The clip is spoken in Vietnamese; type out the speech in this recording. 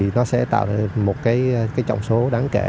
nó sẽ tạo ra một cái trọng số đáng kể